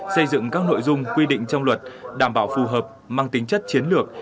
xây dựng các nội dung quy định trong luật đảm bảo phù hợp mang tính chất chiến lược